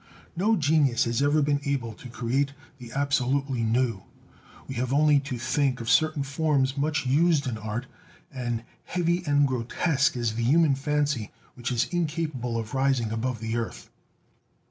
No genius has ever been able to create the absolutely new. We have only to think of certain forms much used in art, and heavy and grotesque as the human fancy which is incapable of rising above the earth.